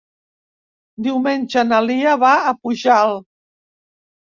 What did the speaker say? Diumenge na Lia va a Pujalt.